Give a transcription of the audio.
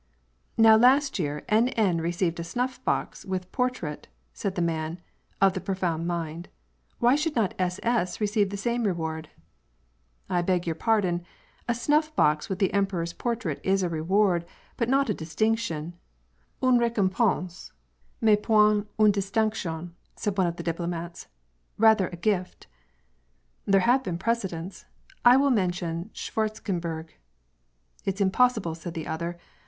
" Now last year N. N. received a snuff box, with a portrait," said the man " of the profound mind." " Why should not S. S. receive the same reward ?"" I beg your pardon, a snuff box with the emperor's portrait is a reward, but not a distinction — une recompense, mais point une distinction/^ said one of the diplomats. " Eather a gift." " There have been precedents. I will mention Schwartzen berg." " It's impossible," said the other.